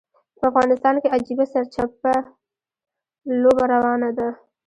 په افغانستان کې عجیبه سرچپه لوبه روانه ده.